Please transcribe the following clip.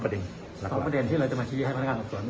๒ประเด็นที่เราจะขี้ให้พนักธรรมส่วน